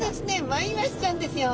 マイワシちゃんですよ。